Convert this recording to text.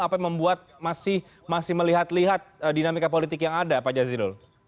apa yang membuat masih melihat lihat dinamika politik yang ada pak jazilul